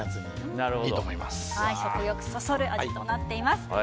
食欲そそる味となっています。